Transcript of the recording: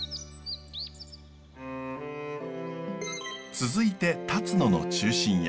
続いてたつのの中心へ。